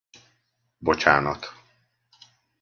Bocsánat!